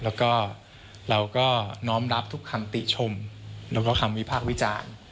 แล้วก็เราก็น้อมรับทุกคำติชมแล้วก็คำวิพากษ์วิจารณ์